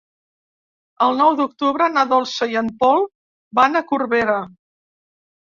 El nou d'octubre na Dolça i en Pol van a Corbera.